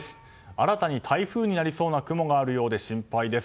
新たに台風になりそうな雲があるようで心配です。